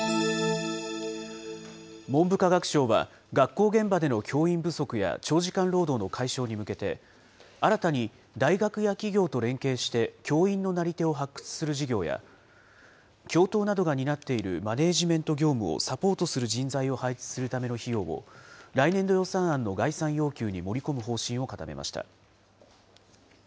文部科学省は、学校現場での教員不足や長時間労働の解消に向けて、新たに大学や企業と連携して、教員のなり手を発掘する事業や、教頭などが担っているマネージメント業務をサポートする人材を配置するための費用を、来年度予算案の概算要求に盛り込む方針を固めました。